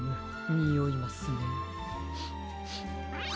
においますね！